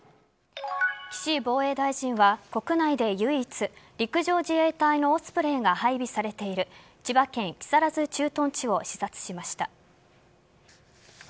岸防衛大臣は国内で唯一陸上自衛隊のオスプレイが配備されている千葉県木更津駐屯地を視察しました。